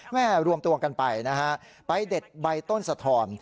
รวมตัวกันไปนะฮะไปเด็ดใบต้นสะทอน